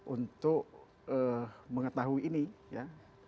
untuk mengetahui ini ya